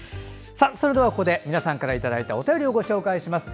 ここで皆さんからいただいたお便りをご紹介します。